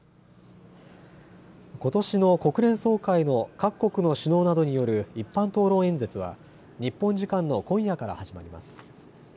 ことしの国連総会の各国の首脳などによる一般討論演説は日本時間の今夜から始まります。